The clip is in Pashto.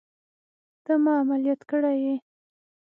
ته ما عمليات کړى يې.